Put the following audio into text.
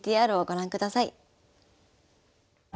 ＶＴＲをご覧ください。